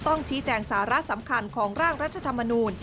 ต้องชี้แจงสาระสำคัญของร่างรัฐธรรมนูล